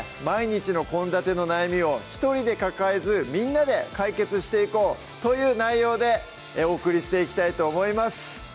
毎日の献立の悩みを１人で抱えずみんなで解決していこうという内容でお送りしていきたいと思います